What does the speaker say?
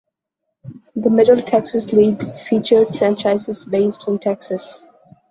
The Middle Texas League featured franchises based in Texas.